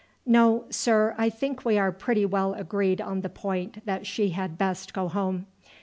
"No, sir; I think we are pretty well agreed on the point that she had best go home.